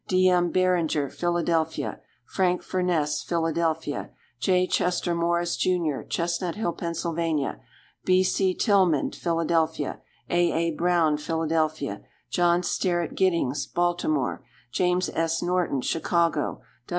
D. M. Barringer, Philadelphia. Frank Furness, Philadelphia. J. Chester Morris, Jr., Chestnut Hill, Pa. B. C. Tilghman, Philadelphia. A. A. Brown, Philadelphia. John Sterett Gittings, Baltimore. James S. Norton, Chicago.